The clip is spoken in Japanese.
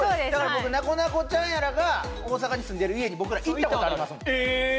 僕なこなこちゃんやらが大阪に住んでる家に僕ら行ったことありますもんえーっ！